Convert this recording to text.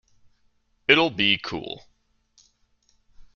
It'll be cool.